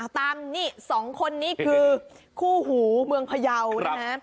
ตามนี่สองคนนี้คือคู่หูเมืองพยาวนะฮะ